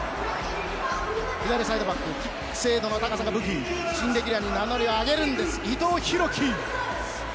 左サイドバックキック精度の高さが武器新レギュラーに名乗りを挙げる伊藤洋輝。